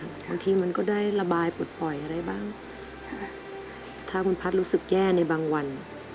บางทีมันก็ได้ระบายปลดปล่อยอะไรบ้างถ้าคุณพัฒน์รู้สึกแย่ในบางวัน